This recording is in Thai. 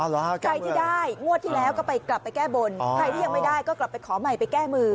ใครที่ได้งวดที่แล้วก็ไปกลับไปแก้บนใครที่ยังไม่ได้ก็กลับไปขอใหม่ไปแก้มือ